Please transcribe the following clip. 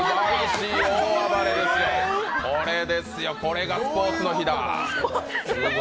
これですよ、これがスポーツの日だ。